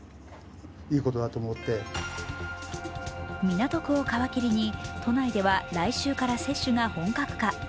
港区を皮切りに都内では来週から接種が本格化。